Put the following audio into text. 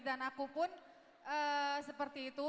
dan aku pun seperti itu